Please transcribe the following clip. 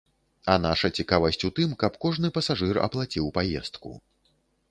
А наша цікавасць у тым, каб кожны пасажыр аплаціў паездку.